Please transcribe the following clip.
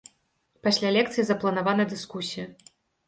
Пасля лекцыі запланавана дыскусія.